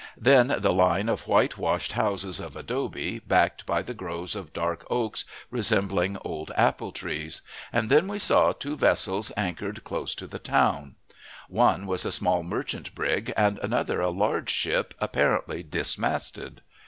Then the line of whitewashed houses of adobe, backed by the groves of dark oaks, resembling old apple trees; and then we saw two vessels anchored close to the town. One was a small merchant brig and another a large ship apparently dismasted.